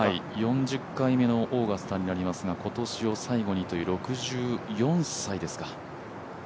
４０回目のオーガスタになりますが、今年を最後にということで６４歳ですか。